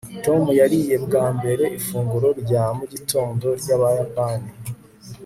tom yariye bwa mbere ifunguro rya mugitondo ryabayapani